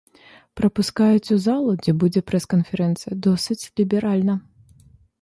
Прапускаюць у залу, дзе будзе прэс-канферэнцыя досыць ліберальна.